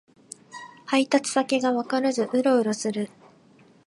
配達先がわからずウロウロする